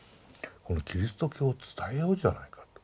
このキリスト教を伝えようじゃないかと。